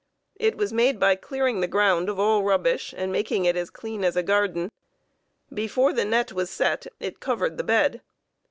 It was made by clearing the ground of all rubbish, and making it as clean as a garden. Before the net was set it covered the bed.